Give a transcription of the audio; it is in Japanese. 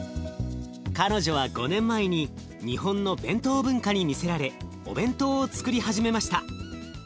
彼女は５年前に日本の弁当文化に魅せられお弁当をつくり始めました。